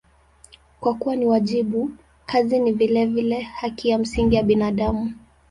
Kwa kuwa ni wajibu, kazi ni vilevile haki ya msingi ya binadamu.